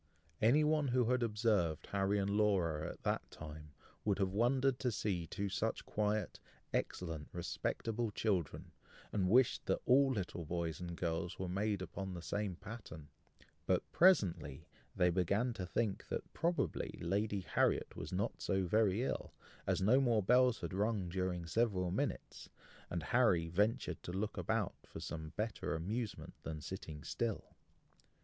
Any one who had observed Harry and Laura at that time, would have wondered to see two such quiet, excellent, respectable children, and wished that all little boys and girls were made upon the same pattern; but presently they began to think that probably Lady Harriet was not so very ill, as no more bells had rung during several minutes, and Harry ventured to look about for some better amusement than sitting still.